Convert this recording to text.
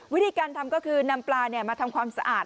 วิธีการทำก็คือนำปลามาทำความสะอาด